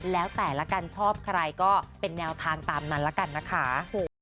แล้วแต่ละกันชอบใครก็เป็นแนวทางตามนั้นละกันนะคะ